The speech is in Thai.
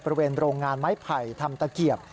บริเวณโรงงานไม้ไผ่ทำตะเกียบ